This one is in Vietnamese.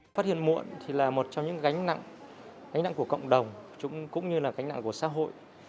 phát hiện muộn là một trong những gánh nặng của cộng đồng cũng như là gánh nặng của xã hội